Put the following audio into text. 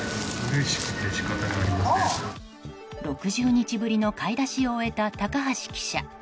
６０日ぶりの買い出しを終えた高橋記者。